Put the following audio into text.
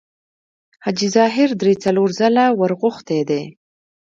حاجي ظاهر درې څلور ځله ورغوښتی دی.